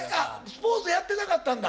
スポーツやってなかったんだ？